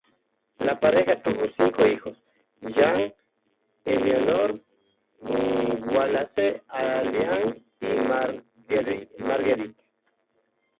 La pareja tuvo cinco hijos: Jane, Eleanor, Wallace, Allan y Marguerite.